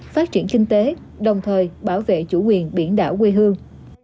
phát triển kinh tế đồng thời bảo vệ chủ quyền biển đảo quê hương